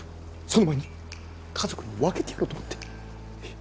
その前に家族に分けてやろうと思って。